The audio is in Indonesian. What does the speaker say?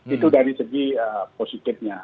itu dari segi positifnya